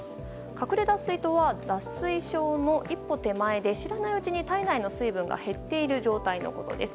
隠れ脱水とは脱水症の一歩手前で知らないうちに、体内の水分が減っている状態のことです。